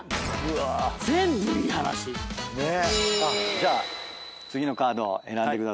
じゃあ次のカードを選んでください。